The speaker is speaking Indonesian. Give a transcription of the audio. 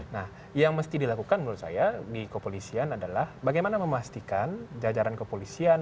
nah yang mesti dilakukan menurut saya di kepolisian adalah bagaimana memastikan jajaran kepolisian